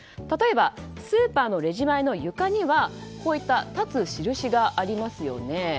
例えばスーパーのレジ前の床には立つ印がありますよね。